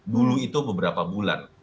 dulu itu beberapa bulan